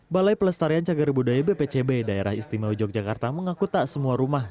balai pelestarian cagar budaya bpcb daerah istimewa yogyakarta mengaku tak semua rumah